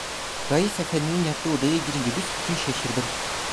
Raif efendinin yattığı odaya girince büsbütün şaşırdım.